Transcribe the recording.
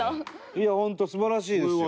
いや本当素晴らしいですよ。